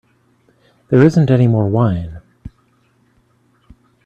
There isn't any more wine.